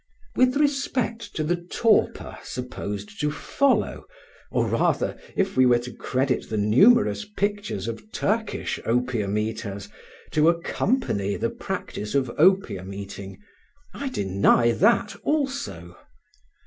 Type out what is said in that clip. With respect to the torpor supposed to follow, or rather (if we were to credit the numerous pictures of Turkish opium eaters) to accompany the practice of opium eating, I deny that also.